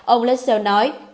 ông lassell nói